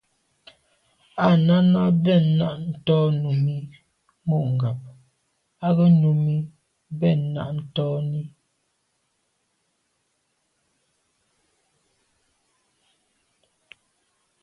Â Náná bɛ̂n náɁ tɔ́ Númí mû ŋgáp á gə́ Númí bɛ̂n náɁ tɔ́n–í.